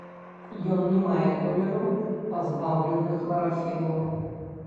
Ён не мае колеру, пазбаўлены хларафілу.